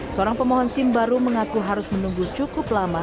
seorang pemohon sim baru mengaku harus menunggu cukup lama